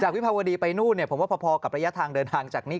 วิภาวดีไปนู่นผมว่าพอกับระยะทางเดินทางจากนี้